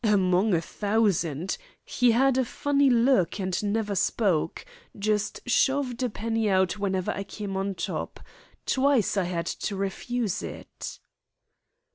"Among a thousand! He had a funny look, and never spoke. Just shoved a penny out whenever I came on top. Twice I had to refuse it."